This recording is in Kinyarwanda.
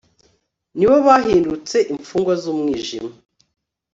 ni bo bahindutse imfungwa z'umwijima